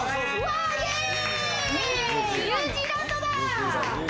ニュージーランド！